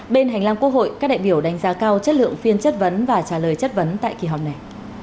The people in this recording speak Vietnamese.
bên hành lang quốc hội các đại biểu đánh giá cao chất lượng phiên chất vấn và trả lời chất vấn tại kỳ họp này